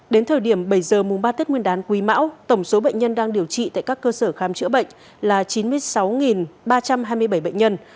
đến thời điểm bảy h mùng ba tết quyền đàn quy mão tổng số bệnh nhân đang điều trị tại các cơ sở khám chữa bệnh là chín mươi sáu ba trăm hai mươi bảy bệnh nhân